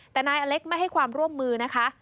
แต่นายอเล็กไม่ให้ความร่วมมือนะคะ